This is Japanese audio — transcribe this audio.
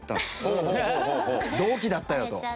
同期だったよと。